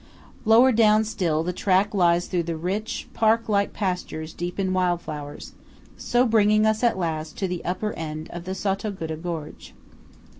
Lower down still, the track lies through rich park like pastures deep in wild flowers; so bringing us at last to the upper end of the Sottoguda gorge.